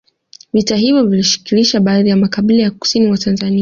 Vita hivyo vilishirikisha baadhi ya makabila ya kusini mwa Tanzania